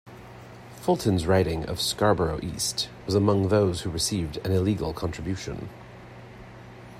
Fulton's riding of Scarborough East was among those who received an illegal contribution.